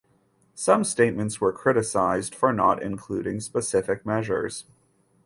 Some statements were criticized for not including specific measures.